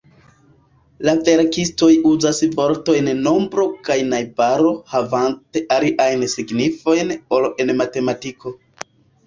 La verkistoj uzas vortojn 'nombro' kaj 'najbaro' havante aliajn signifojn ol en matematiko.